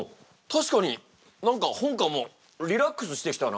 確かに何か本官もリラックスしてきたなあ。